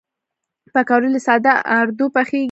پکورې له ساده آردو پخېږي